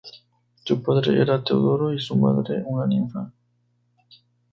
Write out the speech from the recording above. Su padre era Teodoro y su madre una ninfa.